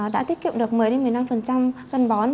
đã tiết kiệm được một mươi một mươi năm cân bón